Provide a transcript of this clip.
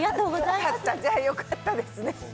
じゃあよかったですね。